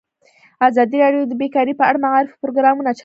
ازادي راډیو د بیکاري په اړه د معارفې پروګرامونه چلولي.